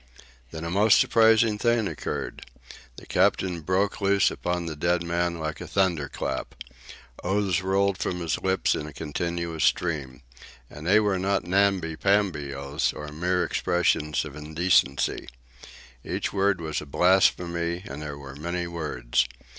Then a most surprising thing occurred. The captain broke loose upon the dead man like a thunderclap. Oaths rolled from his lips in a continuous stream. And they were not namby pamby oaths, or mere expressions of indecency. Each word was a blasphemy, and there were many words.